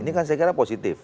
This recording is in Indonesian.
ini kan saya kira positif